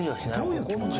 どういう気持ち？